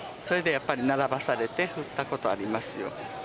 それでやっぱり並ばされて振ったことありますよ